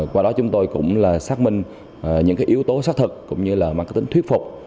qua đó chúng tôi cũng xác minh những yếu tố xác thực cũng như là mặc tính thuyết phục